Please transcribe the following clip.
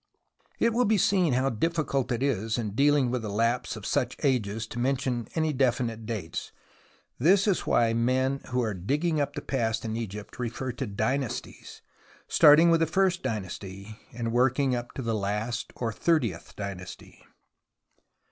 It will be seen how difficult it is in dealing with the lapse of such ages to mention any definite dates. This is why the men who are digging up the past in Egypt refer to Dynasties, starting with the First Dynasty, and working up to the last or Thirtieth Dynasty.